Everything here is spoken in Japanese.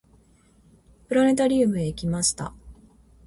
プラネタリウムへ行きました。